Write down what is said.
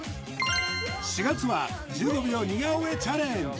４月は１５秒似顔絵チャレンジ